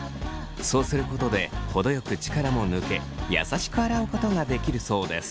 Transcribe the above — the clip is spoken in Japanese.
そうすることで程よく力も抜け優しく洗うことができるそうです。